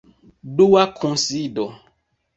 Dua kunsido.